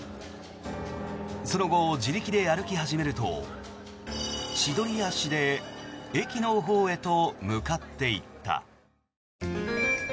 その後、自力で歩き始めると千鳥足で駅のほうへと向かっていった。